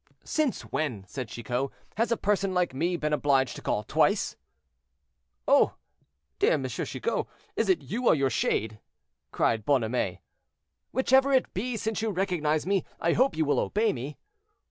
"Since when," said Chicot, "has a person like me been obliged to call twice?" "Oh! dear M. Chicot, is it you or your shade?" cried Bonhomet. "Whichever it be, since you recognize me, I hope you will obey me."